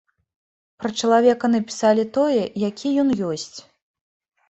Пра чалавека напісалі тое, які ён ёсць.